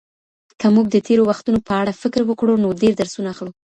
که موږ د تيرو وختونو په اړه فکر وکړو نو ډېر درسونه اخلو.